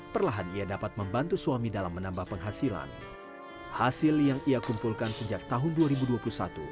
perlahan ia dapat membantu suami dalam menambah penghasilan hasil yang ia kumpulkan sejak tahun